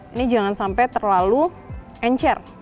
ini jangan sampai terlalu encer